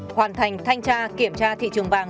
hoàn thành thanh tra kiểm tra thị trường vàng